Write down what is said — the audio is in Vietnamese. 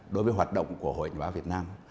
đối với hoạt động của hội nhà báo việt nam